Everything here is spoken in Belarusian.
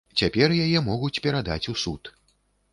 Цяпер яе могуць перадаць у суд.